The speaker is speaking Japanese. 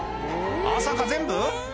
まさか全部？